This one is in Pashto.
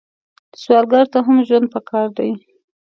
سوالګر ته هم ژوند پکار دی